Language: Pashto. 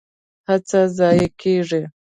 هڅه ضایع کیږي؟